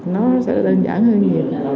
nó sẽ đơn giản hơn nhiều